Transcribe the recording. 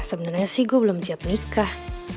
sebenarnya sih gue belum siap nikah